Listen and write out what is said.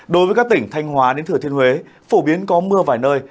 đối với các tỉnh thanh hóa đến thừa thiên huế phổ biến có mưa vài nơi